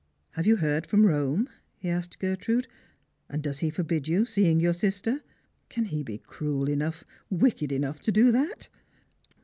" Have you heard from Rome P " he asked Gertrude ; "and does he forbid you seeing your sister? Can he be cruel enough, wicked enough to do that